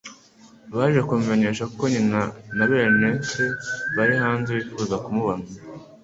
baje kumumenyesha ko nyina na bene se bari hanze, bifuza kumubona.